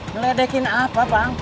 ngeledekin apa bang